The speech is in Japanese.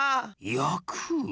やく？